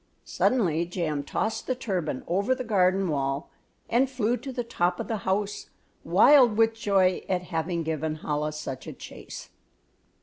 Suddenly Jam tossed the turban over the garden wall and flew to the top of the house, wild with joy at having given Chola such a chase.